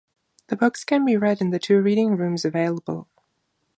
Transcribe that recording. The books can be read in the two reading rooms available.